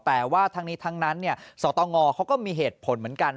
แต่ว่าทั้งนี้ทั้งนั้นสตงเขาก็มีเหตุผลเหมือนกัน